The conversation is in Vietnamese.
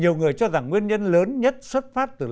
nhiều người cho rằng nguyên nhân lớn nhất xuất phát từ